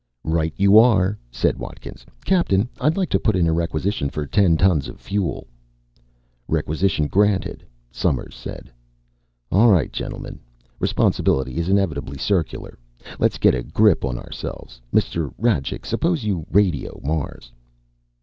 "Right you are," said Watkins. "Captain, I'd like to put in a requisition for ten tons of fuel." "Requisition granted," Somers said. "All right, gentlemen, responsibility is inevitably circular. Let's get a grip on ourselves. Mr. Rajcik, suppose you radio Mars."